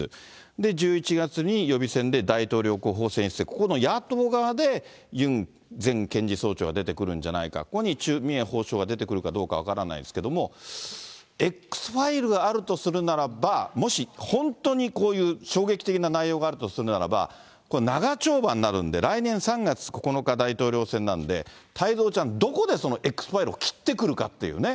１１月に予備選で大統領候補を選出って、ここの野党側でユン前検事総長が出てくるんじゃないか、ここにチュ・ミエ法相が出てくるかどうか分からないですけれども、Ｘファイルがあるとするならば、もし本当にこういう衝撃的な内容があるとするならば、これ、長丁場になるので、来年３月９日大統領選なんで、太蔵ちゃん、どこでＸファイルをきってくるかっていうね。